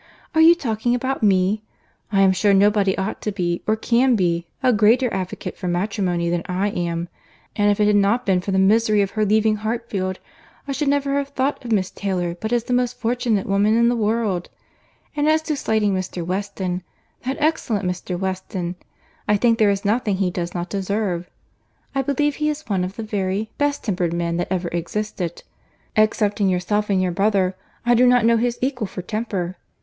— "Are you talking about me?—I am sure nobody ought to be, or can be, a greater advocate for matrimony than I am; and if it had not been for the misery of her leaving Hartfield, I should never have thought of Miss Taylor but as the most fortunate woman in the world; and as to slighting Mr. Weston, that excellent Mr. Weston, I think there is nothing he does not deserve. I believe he is one of the very best tempered men that ever existed. Excepting yourself and your brother, I do not know his equal for temper.